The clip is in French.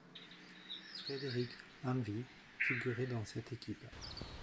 Frédéric Hanvi figurait dans cette équipe.